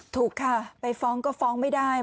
ถูกค่ะไปฟ้องก็ฟ้องไม่ได้